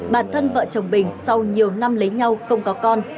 bản thân vợ chồng bình sau nhiều năm lấy nhau không có con